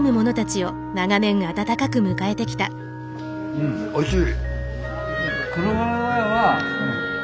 うんおいしい！